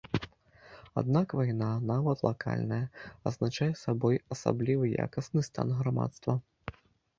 Аднак вайна, нават лакальная, азначае сабой асаблівы якасны стан грамадства.